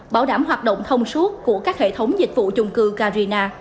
bảo đảm hoạt động thông suốt của các hệ thống dịch vụ chung cư carina